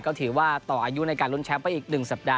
ก็ถือว่าต่ออายุในการลุ้นแชมป์ไปอีก๑สัปดาห